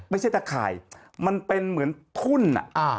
ไม่ใช่ตะข่ายมันเป็นเหมือนทุ่นอะ